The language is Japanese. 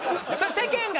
世間が。